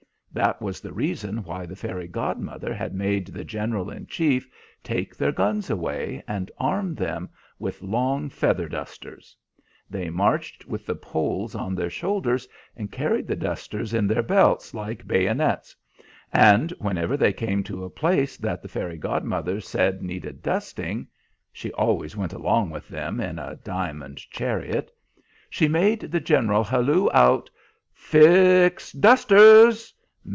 That was the reason why the fairy godmother had made the General in Chief take their guns away, and arm them with long feather dusters. They marched with the poles on their shoulders, and carried the dusters in their belts, like bayonets; and whenever they came to a place that the fairy godmother said needed dusting she always went along with them in a diamond chariot she made the General halloo out: 'Fix dusters!